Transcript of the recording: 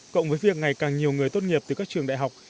cộng với việc ngày càng nhiều người tốt nghiệp từ các trường đại học